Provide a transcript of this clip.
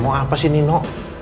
mau apa sih nino